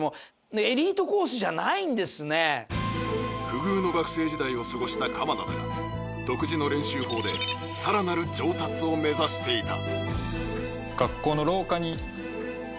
不遇の学生時代を過ごした鎌田だが独自の練習法でさらなる上達を目指していた。